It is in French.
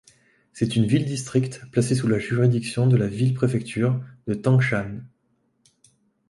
C'est une ville-district placée sous la juridiction de la ville-préfecture de Tangshan.